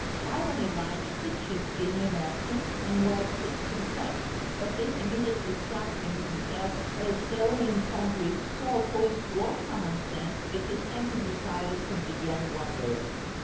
Ivan Ilyitch took his dinner napkin and wiped it himself, but this immediately struck him himself as so incongruous, so opposed to all common sense, that he sank into silence and began wondering.